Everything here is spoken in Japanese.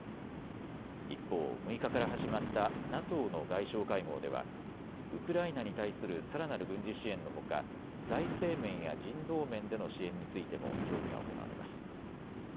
一方、６日から始まったＮＡＴＯの外相会合ではウクライナに対するさらなる軍事支援のほか財政面や人道面での支援についても協議が行われます。